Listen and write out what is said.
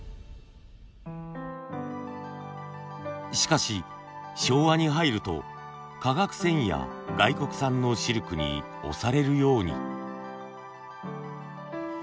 しかし昭和に入ると化学繊維や外国産のシルクに押されるように。